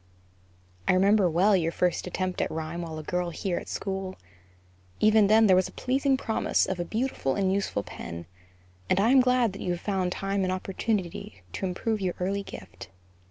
I remember well your first attempt at rhyme while a girl here at school; even then, there was a pleasing promise of a beautiful and useful pen; and I am glad that you have found time and opportunity to improve your early gift.